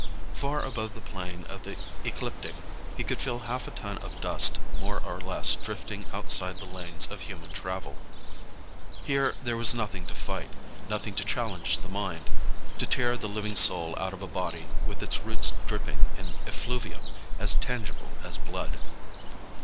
Far above the plane of the ecliptic, he could feel half a ton of dust more or less drifting outside the lanes of human travel. Here there was nothing to fight, nothing to challenge the mind, to tear the living soul out of a body with its roots dripping in effluvium as tangible as blood.